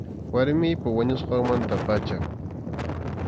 Warmiypa wañusqanmanta pacham.